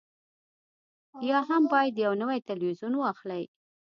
یا هم باید یو نوی تلویزیون واخلئ